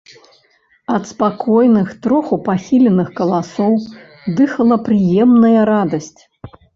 Ад спакойных, троху пахіленых каласоў дыхала прыемная радасць.